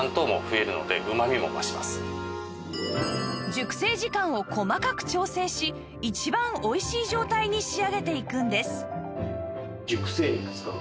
熟成時間を細かく調整し一番おいしい状態に仕上げていくんです